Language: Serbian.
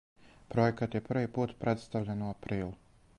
Пројекат је први пут представљен у априлу.